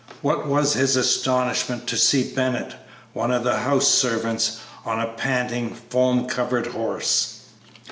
What was his astonishment to see Bennett, one of the house servants, on a panting, foam covered horse.